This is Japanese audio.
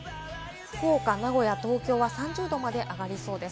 福岡・名古屋・東京は３０度まで上がりそうです。